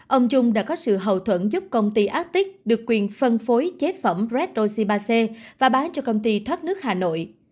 ông trung đã có sự hậu thuẫn giúp công ty arctic được quyền phân phối chế phẩm red oxy ba c và bán cho công ty thoát nước hà nội